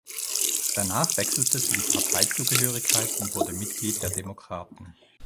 Danach wechselte sie die Parteizugehörigkeit und wurde Mitglied der Demokraten.